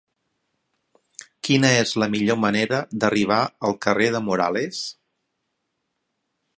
Quina és la millor manera d'arribar al carrer de Morales?